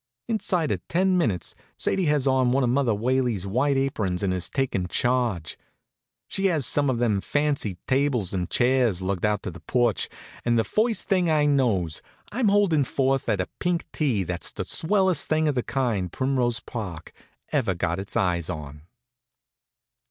Inside of ten minutes Sadie has on one of Mother Whaley's white aprons and is takin' charge. She has some of them fancy tables and chairs lugged out on the porch, and the first thing I knows I'm holdin' forth at a pink tea that's the swellest thing of the kind Primrose Park ever got its eyes on.